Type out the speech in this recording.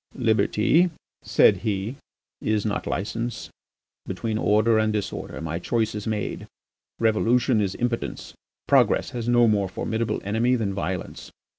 "Liberty," said he, "is not licence. Between order and disorder my choice is made: revolution is impotence. Progress has no more formidable enemy than violence.